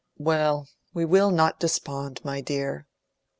Well, we will not despond, my dear."